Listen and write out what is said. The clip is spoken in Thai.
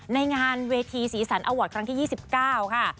ในงานเวทีศรีสรรค์อัวรดคลั้งที่๒๙ค่ะ